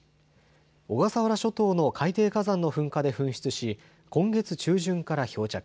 小笠原諸島の海底火山の噴火で噴出し今月中旬から漂着。